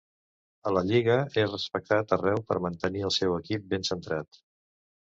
A la Lliga es respectat arreu per mantenir el seu equip ben centrat.